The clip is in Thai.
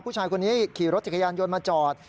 ผู้ชายคนนี้ขี่รถจักรยานยนต์มาจอด